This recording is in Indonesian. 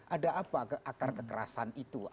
ada apa akar kekerasan itu